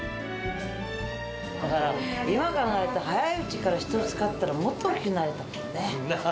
今考えたら、早いうちから人使ってたら、もっと大きくなれたかもね。